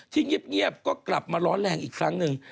เงียบก็กลับมาร้อนแรงอีกครั้งหนึ่ง